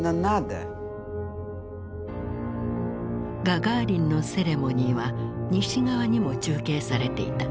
ガガーリンのセレモニーは西側にも中継されていた。